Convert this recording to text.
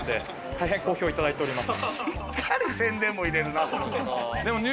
大変、好評いただいております。